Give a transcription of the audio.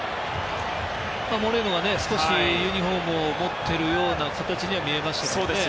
モレーノが少しユニホームを持っているような形に見えましたからね。